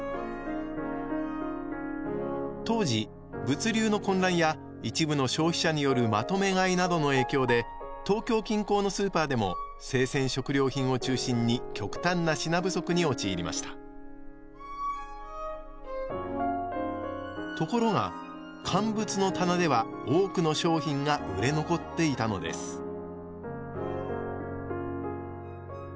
当時物流の混乱や一部の消費者による「まとめ買い」などの影響で東京近郊のスーパーでも生鮮食料品を中心に極端な品不足に陥りましたところが乾物の棚では多くの商品が売れ残っていたのですその